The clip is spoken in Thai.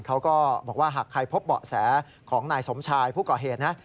เขาก็บอกว่าหากใครพบเบาะแสของนายสมชายผู้ก่อเหตุนะ